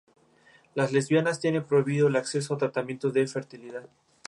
Las lesbianas tiene prohibido el acceso a tratamientos de fertilidad.